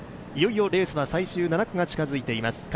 いよいよレースは最終、７区が近づいています。